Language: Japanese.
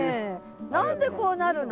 何でこうなるの？